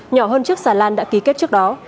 nhỏ hơn chiếc xà lan đã ký kết trước đó